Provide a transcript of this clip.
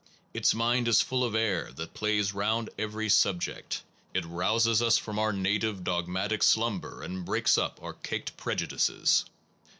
Its mind is full of air that plays round every subject. It rouses us from our native dogmatic slumber and breaks up our caked prejudices.